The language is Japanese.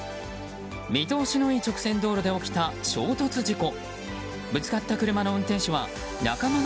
見通しのいい直線道路で起きた衝突事故。